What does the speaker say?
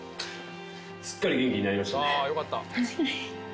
すっかり元気になりましたね